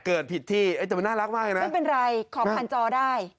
เกิดผิดที่ไอ้แต่มันน่ารักมากเลยนะไม่เป็นไรขอผ่านจอได้